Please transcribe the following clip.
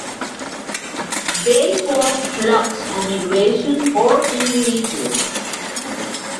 They form flocks on migration or in winter.